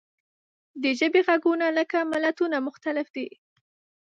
د ژبې غږونه لکه ملتونه مختلف دي.